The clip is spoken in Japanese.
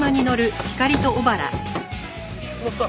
乗った！